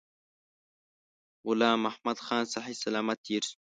غلام محمدخان صحی سلامت تېر شو.